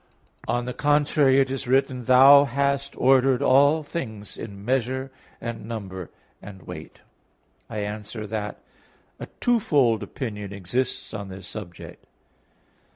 On the contrary, It is written, "Thou hast ordered all things in measure, and number, and weight" (Wis. 11:21). I answer that, A twofold opinion exists on this subject.